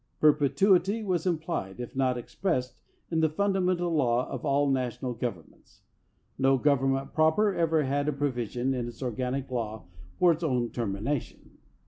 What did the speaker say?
Perpetuity was implied, if not ex pressed, in the fundamental law of all national governments. No government proper ever had a provision in its organic law for its own termina tion.